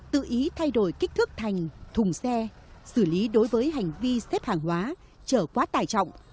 tự ý thay đổi kích thước thành thùng xe xử lý đối với hành vi xếp hàng hóa trở quá tài trọng